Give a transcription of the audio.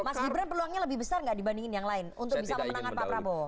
tapi pak prabowo lebih besar gak dibandingin yang lain untuk bisa memenangkan pak prabowo